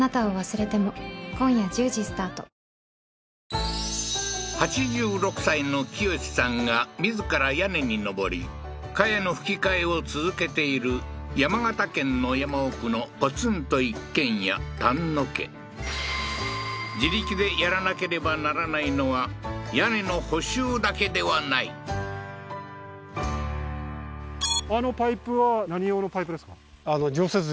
ただそれだけ８６歳の清司さんが自ら屋根に登り茅の葺き替えを続けている山形県の山奥のポツンと一軒家丹野家自力でやらなければならないのは屋根の補修だけではないおおー